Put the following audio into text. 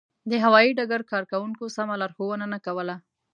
د هوایي ډګر کارکوونکو سمه لارښوونه نه کوله.